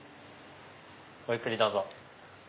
ごゆっくりどうぞ。